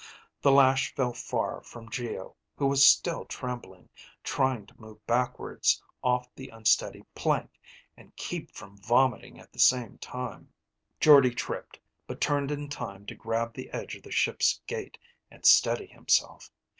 The lash fell far from Geo who was still trembling, trying to move backwards off the unsteady plank, and keep from vomiting at the same time. Jordde tripped, but turned in time to grab the edge of the ship's gate and steady himself.